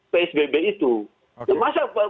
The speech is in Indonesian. psbb itu masa